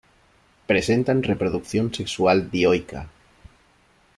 Presentan reproducción sexual dioica.